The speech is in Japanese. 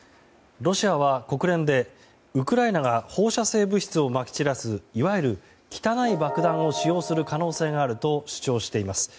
ロシアは、国連でウクライナが放射性物質をまき散らす、いわゆる汚い爆弾を使用する可能性があると主張しています。